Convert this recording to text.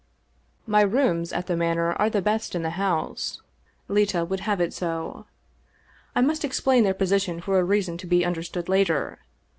My rooms at the Manor are the best in the house. Leta will have it so. I must explain their position for a reason to be understood later.